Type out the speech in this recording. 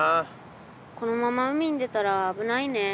このまま海に出たらあぶないね。